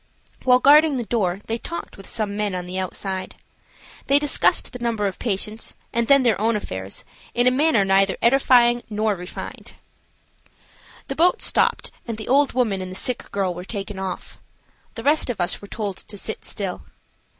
While guarding the door they talked with some men on the outside. They discussed the number of patients and then their own affairs in a manner neither edifying nor refined. The boat stopped and the old woman and the sick girl were taken off. The rest of us were told to sit still.